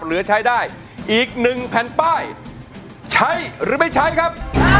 เหลือใช้ได้อีกหนึ่งแผ่นป้ายใช้หรือไม่ใช้ครับ